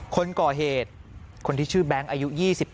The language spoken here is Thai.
คนก่อเหตุคนที่ชื่อแบงค์อายุ๒๗